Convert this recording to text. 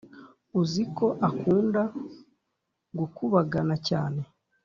uziko akunda gukubagana cyane